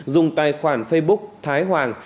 dùng tài khoản facebook thái hoàng